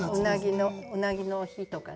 「うなぎの日」とかね。